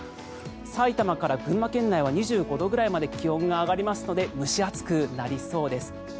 埼玉から群馬県内では２５度以上まで気温が上がりそうですので蒸し暑くなりそうです。